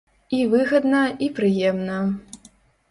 І выгадна, і прыемна.